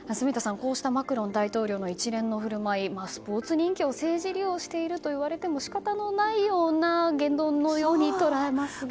こうしたマクロン大統領の一連の振る舞いスポーツ人気を政治利用しているといわれても仕方のないような言動のように捉えられますが。